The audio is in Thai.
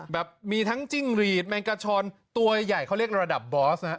แบบมีทั้งจิ้งหรีดแมงกาชอนตัวใหญ่เขาเรียกระดับบอสนะฮะ